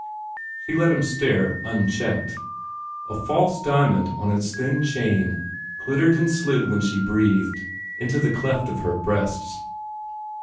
She let him stare unchecked. A false diamond on its thin chain glittered and slid when she breathed into the cleft of her breasts.